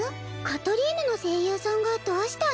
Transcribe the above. カトリーヌの声優さんがどうしたの？